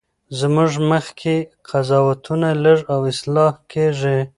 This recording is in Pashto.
زموږ مخکني قضاوتونه لږ او اصلاح کیږي.